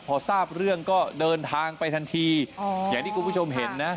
พอทราบเรื่องก็เดินทางไปทันทีอย่างที่คุณผู้ชมเห็นนะ